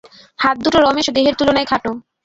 হাত দুটো রোমশ ও দেহের তুলনায় খাটো।